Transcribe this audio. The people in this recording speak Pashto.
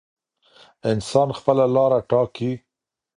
انسان خپله لاره ټاکي.